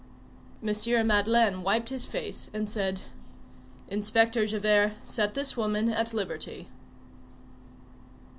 M. Madeleine wiped his face, and said:— "Inspector Javert, set this woman at liberty."